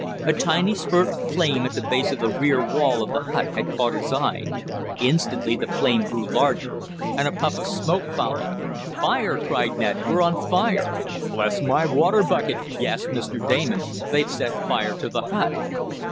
A tiny spurt of flame at the base of the rear wall of the hut had caught his eye. Instantly the flame grew larger, and a puff of smoke followed. "Fire!" cried Ned. "We're on fire!" "Bless my water bucket!" gasped Mr. Damon. "They've set fire to the hut!"